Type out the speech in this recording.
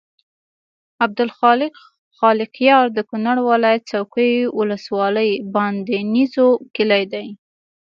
عبدالخالق خالقیار د کونړ ولایت څوکۍ ولسوالۍ بادینزو کلي دی.